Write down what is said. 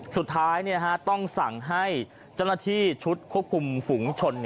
สุดท้ายต้องสั่งให้เจ้าหน้าที่ชุดควบคุมฝุงชน